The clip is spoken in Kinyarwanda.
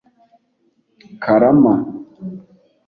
Karama